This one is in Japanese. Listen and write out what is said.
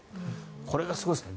これがすごいですね